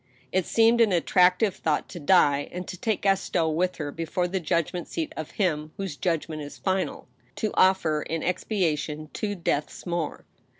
It seemed an attractive thought to die, and to take Gaston with her before the judgment seat of Him whose judgment is final ; to offer in expiation two deaths more.